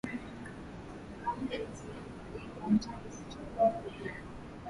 Nvula inaanza mulete bitu tu teke mayi